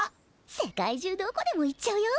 世界中どこでも行っちゃうよ！